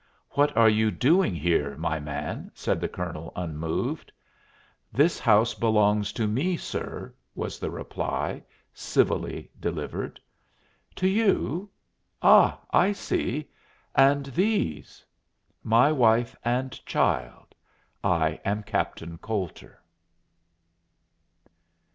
"What are you doing here, my man?" said the colonel, unmoved. "This house belongs to me, sir," was the reply, civilly delivered. "To you? Ah, I see! And these?" "My wife and child. I am Captain Coulter."